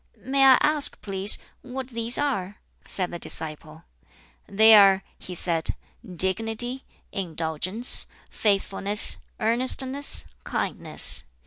"May I ask, please, what these are?" said the disciple. "They are," he said, "dignity, indulgence, faithfulness, earnestness, kindness.